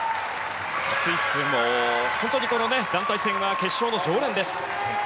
スイス勢も本当に団体戦決勝の常連です。